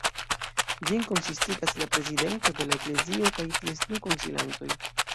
Ĝin konsistigas la prezidento de la eklezio kaj ties du konsilantoj.